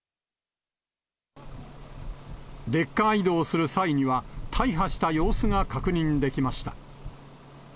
レッカー移動する際には、大破した様子が確認できました。